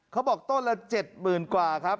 เขาบอกต้นละ๗๐๐๐กว่าครับ